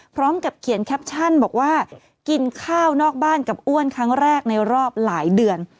พร้อมกับเขียนแคปชั่นบอกว่ากินข้าวนอกบ้านกับอ้วนครั้งแรกในรอบหลายเดือน